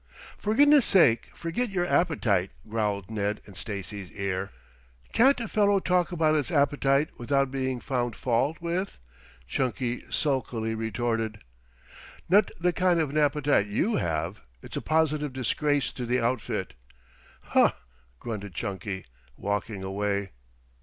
"For goodness' sake, forget your appetite," growled Ned in Stacy's ear. "Can't a fellow talk about his appetite without being found fault with?" Chunky sulkily retorted. "Not the kind of an appetite you have. It's a positive disgrace to the outfit." "Huh!" grunted Chunky, walking away.